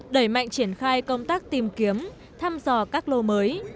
đẩy mạnh triển khai công tác tìm kiếm thăm dò các lô mới